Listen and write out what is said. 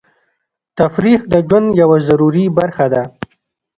تفریح د ژوند یوه ضروري برخه ده.